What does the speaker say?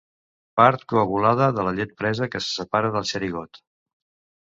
Part coagulada de la llet presa que se separa del xerigot.